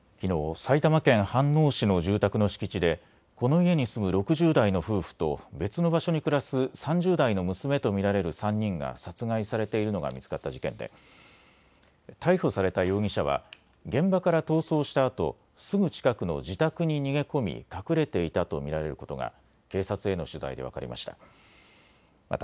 埼玉県飯能市の住宅の敷地でこの家に住む６０代の夫婦と別の場所に暮らす３０代の娘と見られる３人が殺害されているのが見つかった事件で逮捕された容疑者は現場から逃走したあとすぐ近くの自宅に逃げ込み、隠れていたと見られることが警察への取材で分かりました。